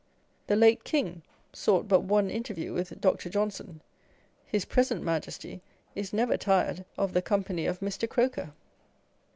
The late King sought but one interview with Dr. Johnson : his present Majesty is never tired of the company of Mr. Croker.